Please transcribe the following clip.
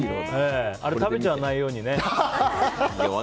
あれ食べちゃわないようにね。